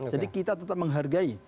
jadi kita tetap menghargai